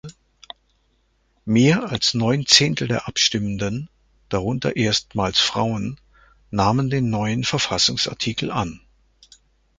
Mehr als neun Zehntel der Abstimmenden (darunter erstmals Frauen) nahmen den neuen Verfassungsartikel an.